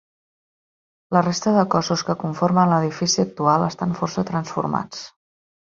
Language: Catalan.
La resta de cossos que conformen l'edifici actual estan força transformats.